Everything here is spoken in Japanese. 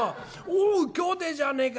『おう兄弟じゃねえか！